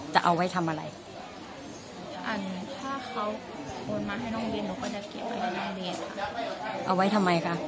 จะเอาไว้ทำอะไรอ่ะหลายฟ้าเขาวงมาให้น้องเยียนของกระเด็นไว้ทำไมค่ะ